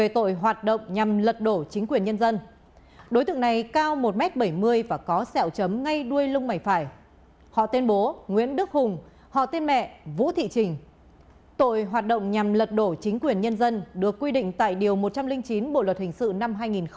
tội hoạt động nhằm lật đổ chính quyền nhân dân được quy định tại điều một trăm linh chín bộ luật hình sự năm hai nghìn một mươi năm